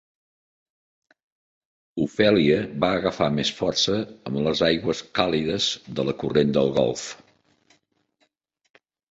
Ophelia va agafar més força amb les aigües càlides de la corrent del golf.